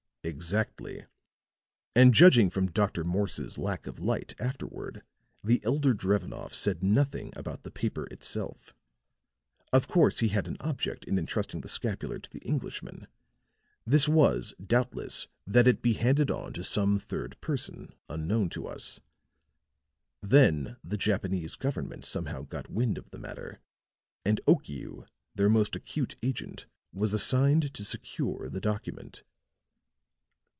"Exactly. And judging from Dr. Morse's lack of light afterward, the elder Drevenoff said nothing about the paper itself. Of course he had an object in entrusting the scapular to the Englishman; this was, doubtless, that it be handed on to some third person, unknown to us. "Then the Japanese government somehow got wind of the matter; and Okiu, their most acute agent, was assigned to secure the document.